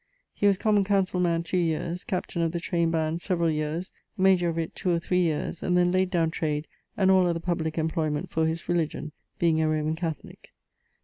He was common councill man two yeares. Captaine of the trayned band, severall yeares: major of it, two or three yeares, and then layd downe trade and all other publique employment for his religion, being a Roman Catholique.